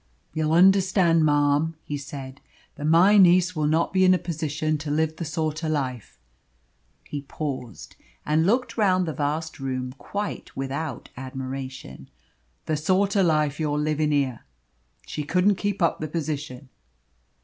"You'll understand, marm," he said, "that my niece will not be in a position to live the sort o' life" he paused, and looked round the vast room, quite without admiration "the sort o' life you're livin' here. She couldn't keep up the position."